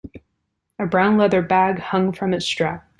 A brown leather bag hung from its strap.